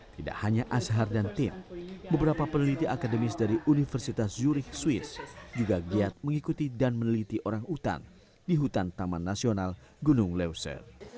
tidak hanya ashar dan tim beberapa peneliti akademis dari universitas zurich swiss juga giat mengikuti dan meneliti orang utan di hutan taman nasional gunung leuser